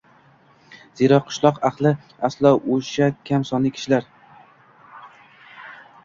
Zero, qishloq ahli aslo o‘sha kam sonli kishilar